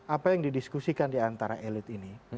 apa yang didiskusikan diantara elit ini